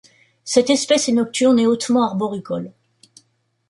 Cette espèce est nocturne et hautement arboricole.